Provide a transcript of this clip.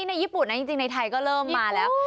ในญี่ปุ่นในไทยก็เริ่มมาแล้ว